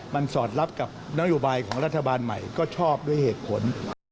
มันสอดรับกับนโยบายของรัฐบาลใหม่ก็ชอบด้วยเหตุผล